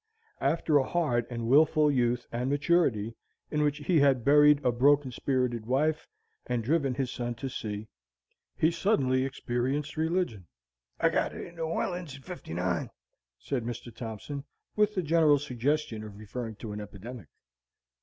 After a hard and wilful youth and maturity, in which he had buried a broken spirited wife, and driven his son to sea, he suddenly experienced religion. "I got it in New Orleans in '59," said Mr. Thompson, with the general suggestion of referring to an epidemic.